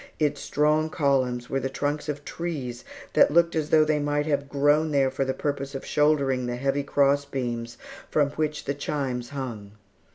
Its strong columns were the trunks of trees that looked as though they might have grown there for the purpose of shouldering the heavy cross beams from which the chimes hung.